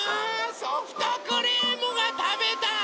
ソフトクリームがたべたい！